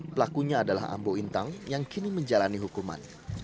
pelakunya adalah ambo intang yang kini menjalani hukuman